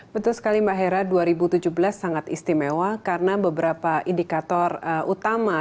betul sekali mbak hera dua ribu tujuh belas sangat istimewa karena beberapa indikator utama